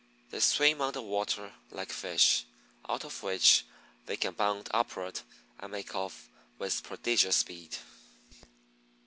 They swim under water like fish, out of which they can bound upward and make off with prodigious speed.